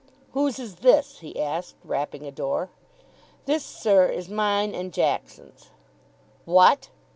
"Whose is this?" he asked, rapping a door. "This, sir, is mine and Jackson's." "What!